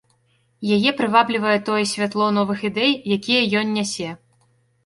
Яе прываблівае тое святло новых ідэй, якія ён нясе.